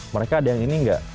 mereka ada yang ini nggak